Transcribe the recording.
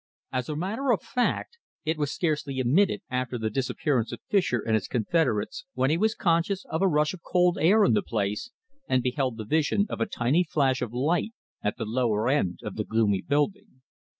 As a matter of fact, it was scarcely a minute after the disappearance of Fischer and his confederates when he was conscious of a rush of cold air in the place, and beheld the vision of a tiny flash of light at the lower end of the gloomy building.